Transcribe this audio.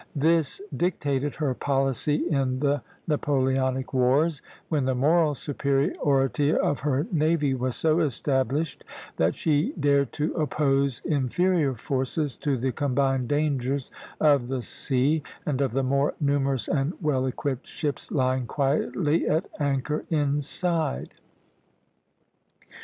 This dictated her policy in the Napoleonic wars, when the moral superiority of her navy was so established that she dared to oppose inferior forces to the combined dangers of the sea and of the more numerous and well equipped ships lying quietly at anchor inside.